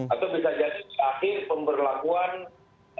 atau bisa jadi terakhir pemberlakuan ppkm